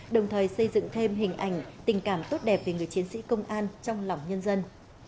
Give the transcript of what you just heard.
đồng thời xây dựng thêm hình ảnh tình cảm tốt đẹp về người chiến sĩ công an trong lòng nhân dân